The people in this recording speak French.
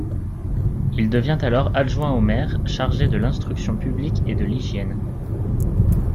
Il devient alors adjoint au maire, chargé de l'Instruction publique et de l'hygiène.